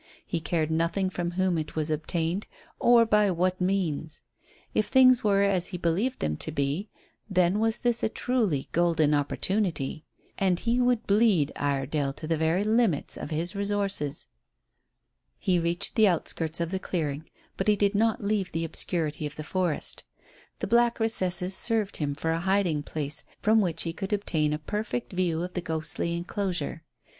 He cared nothing from whom it was obtained, or by what means. If things were as he believed them to be, then was this a truly golden opportunity. And he would bleed Iredale to the very limits of his resources. He reached the outskirts of the clearing, but he did not leave the obscurity of the forest. The black recesses served him for a hiding place from which he could obtain a perfect view of the ghostly enclosure.